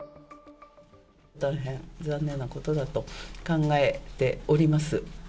大変残念なことだと考えております。